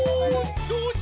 どうぞ。